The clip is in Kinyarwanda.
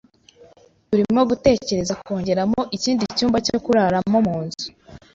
Turimo gutekereza kongeramo ikindi cyumba cyo kuraramo munzu.